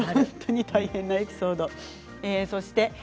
大変なエピソードでした。